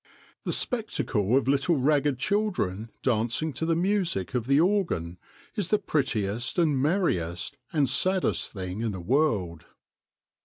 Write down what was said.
The spectacle of little ragged children dancing to the music of the organ is the prettiest and merriest and saddest thing in the world.